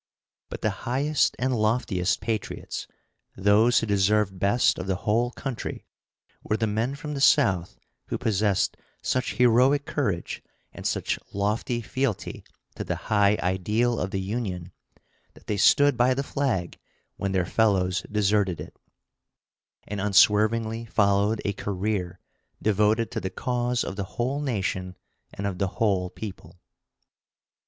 But the highest and loftiest patriots, those who deserved best of the whole country, we re the men from the South who possessed such heroic courage, and such lofty fealty to the high ideal of the Union, that they stood by the flag when their fellows deserted it, and unswervingly followed a career devoted to the cause of the whole nation and of the whole people.